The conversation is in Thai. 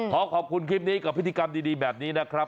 ขอขอบคุณคลิปนี้กับพิธีกรรมดีแบบนี้นะครับ